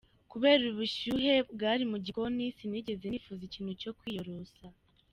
Kubera ubushyuhe bwari mu gikoni sinigeze nifuza ikintu cyo kwiyorosa.